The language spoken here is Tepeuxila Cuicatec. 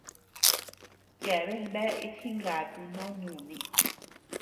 Yeabean bea itjingatu noo nùni.